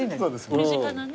身近なね。